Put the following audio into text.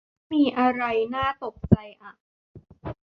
ไม่มีอะไรน่าตกใจอ่ะ